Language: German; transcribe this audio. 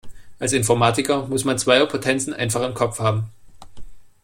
Als Informatiker muss man Zweierpotenzen einfach im Kopf haben.